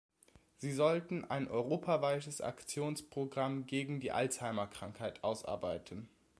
Sie sollten ein europaweites Aktionsprogramm gegen die Alzheimer-Krankheit ausarbeiten.